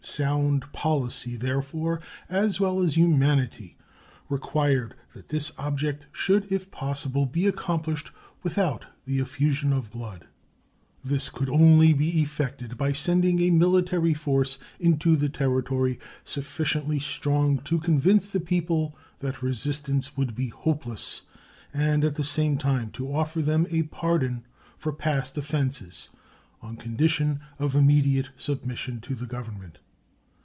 Sound policy, therefore, as well as humanity, required that this object should if possible be accomplished without the effusion of blood. This could only be effected by sending a military force into the Territory sufficiently strong to convince the people that resistance would be hopeless, and at the same time to offer them a pardon for past offenses on condition of immediate submission to the Government.